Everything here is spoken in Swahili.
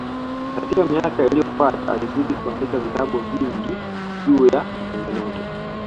Katika miaka iliyofuata alizidi kuandika vitabu vingi juu ya matengenezo